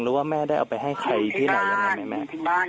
หรือว่าแม่ได้เอาไปให้ใครที่ไหนยังไง